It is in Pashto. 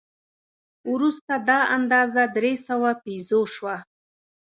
وروسته دا اندازه درې سوه پیزو شوه.